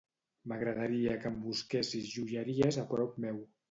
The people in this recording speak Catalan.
M'agradaria que em busquessis joieries a prop meu.